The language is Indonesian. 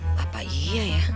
nek masalahnya gawat nih nek